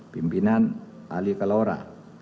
pimpinan ali kelora